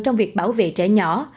trong việc bảo vệ trẻ nhỏ